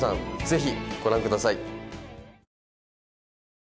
ぜひご覧ください。